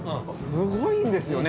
すごいんですよね